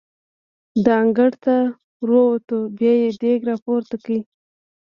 د انګړ ته ور ووتو، بیا یې دېګ را پورته کړ.